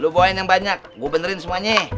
gue bawa yang banyak gue benerin semuanya